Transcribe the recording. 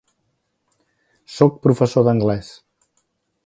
Soc professor d'anglès.